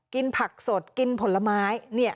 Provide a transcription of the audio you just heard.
กินผักสดกินผลไม้